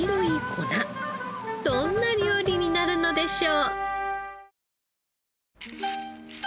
どんな料理になるのでしょう？